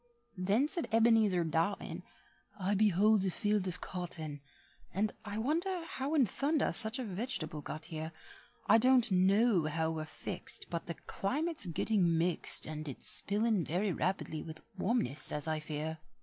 Then said Ebenezer Dotton, "I behold a field of cotton, And I wonder how in thunder such a veg'table got here. I don't know how we're fixed, But the climate's getting mixed, And it's spilin' very rapidly with warmness as I fear."